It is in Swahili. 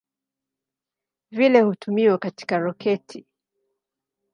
Vile hutumiwa katika roketi.